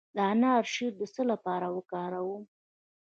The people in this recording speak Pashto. د انار شیره د څه لپاره وکاروم؟